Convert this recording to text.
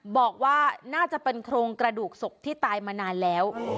บอกว่าน่าจะเป็นโครงกระดูกศพที่ตายมานานแล้ว